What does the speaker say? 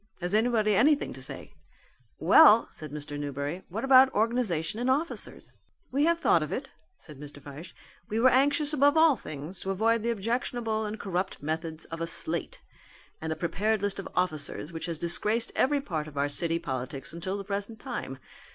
Has anybody anything to say?" "Well," said Mr. Newberry, "what about organization and officers?" "We have thought of it," said Mr. Fyshe. "We were anxious above all things to avoid the objectionable and corrupt methods of a 'slate' and a prepared list of officers which has disgraced every part of our city politics until the present time.